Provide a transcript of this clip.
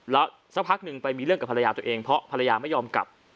แล้วสักพักหนึ่งไปมีเรื่องกับภรรยาตัวเองเพราะภรรยาไม่ยอมกลับ